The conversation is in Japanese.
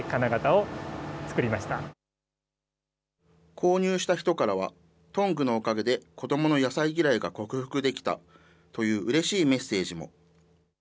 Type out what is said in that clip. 購入した人からは、トングのおかげで子どもの野菜嫌いが克服できたといううれしいメッセージも。